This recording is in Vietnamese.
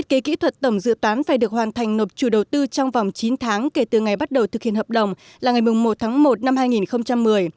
thật tổng dự toán phải được hoàn thành nộp chủ đầu tư trong vòng chín tháng kể từ ngày bắt đầu thực hiện hợp đồng là ngày một tháng một năm hai nghìn một mươi